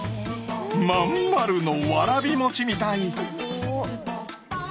真ん丸のわらび餅みたい！